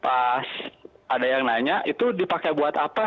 pas ada yang nanya itu dipakai buat apa